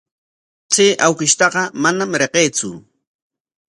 Chay awkishtaqa manam riqsiitsu.